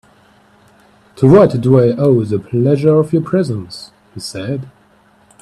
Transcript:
"To what do I owe the pleasure of your presence," he said.